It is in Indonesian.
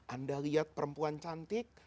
anda lihat perempuan cantik